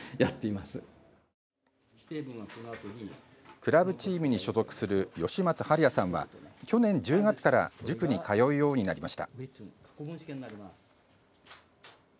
クラブチームに所属する吉松晴哉さんは去年１０月から塾に通うようになりました。